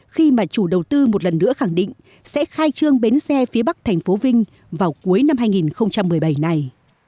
khi mà chủ đầu tư một lần nữa khẳng định sẽ khai trương bến xe phía bắc tp vinh vào cuối năm hai nghìn một mươi bảy này